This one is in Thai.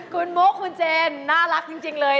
คุณมุกคุณเจนน่ารักจริงเลย